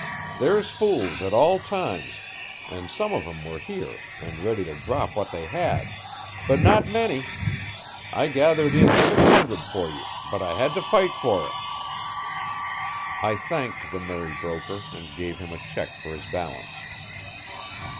"There's fools at all times, and some of 'em were here and ready to drop what they had; but not many. I gathered in six hundred for you, but I had to fight for it." I thanked the merry broker, and gave him a check for his balance.